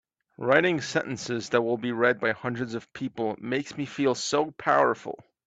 Writing sentences that will be read by hundreds of people makes me feel so powerful!